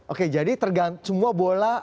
oke jadi tergantung semua bola